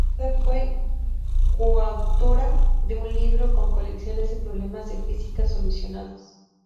Más tarde fue coautora de un libro, con colecciones de problemas de física solucionados.